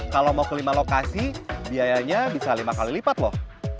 kalau mau ke lima lokasi biayanya bisa lima kali lipat loh